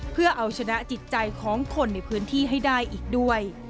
เพื่อเอาชนะจิตใจของคนในพื้นที่ให้ได้อีกด้วย